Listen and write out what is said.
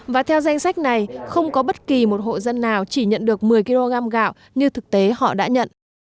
và theo danh sách này không có bất kỳ một hộ dân nào chỉ nhận được một mươi kg gạo như thực tế họ đã nhận